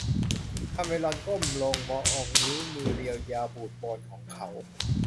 คาเมรอนก้มลงมองนิ้วมือเรียวยาวปูดโปนของเขา